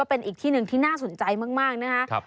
เป็นอีกที่หนึ่งที่น่าสนใจมากนะครับ